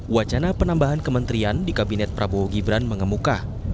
wacana penambahan kementerian di kabinet prabowo gibran mengemuka